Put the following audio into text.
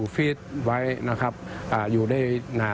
มีกลิ่นหอมกว่า